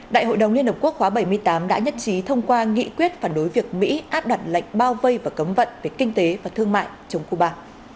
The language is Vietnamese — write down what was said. đại hội đồng liên hợp quốc khóa bảy mươi tám đã nhất trí thông qua nghị quyết phản đối việc mỹ áp đặt lệnh bao vây và cấm vận về kinh tế và thương mại chống cuba